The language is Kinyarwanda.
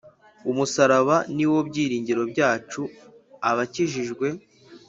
Umusaraba niwo byiringiro byacu abakijijwe